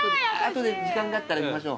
後で時間があったら見ましょ。